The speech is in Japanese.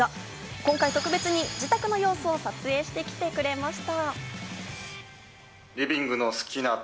今回、特別に自宅の様子を撮影してきてくれました。